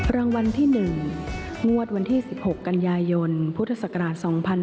รางวัลที่๑งวดวันที่๑๖กันยายนพุทธศักราช๒๕๖๒